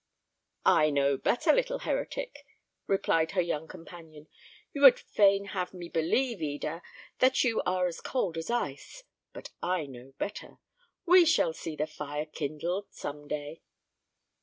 "I know better, little heretic," replied her young companion; "you would fain have me believe, Eda, that you are as cold as ice, but I know better. We shall see the fire kindled some day."